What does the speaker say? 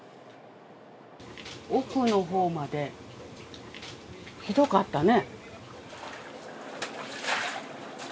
奥のほうまで、ひどかったね。